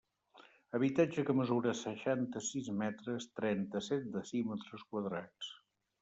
Habitatge que mesura seixanta-sis metres, trenta-set decímetres quadrats.